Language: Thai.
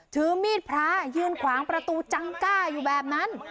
ถือมีดพระยืนขวางประตูจังก้าอยู่แบบนั้น